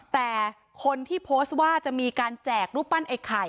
แต่คนที่โพสต์ว่าจะมีการแจกรูปปั้นไอ้ไข่